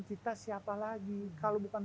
kita siapa lagi kalau bukan